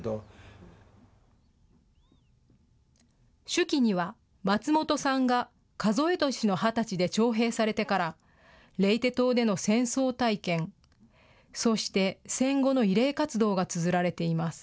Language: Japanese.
手記には、松本さんが数え年の２０歳で徴兵されてからレイテ島での戦争体験、そして戦後の慰霊活動がつづられています。